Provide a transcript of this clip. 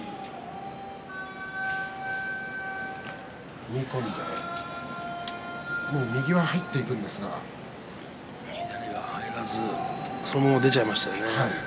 踏み込んで右は入っていくんですが左が入らずそのまま出ちゃいましたね。